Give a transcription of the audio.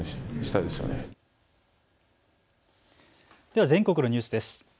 では全国のニュースです。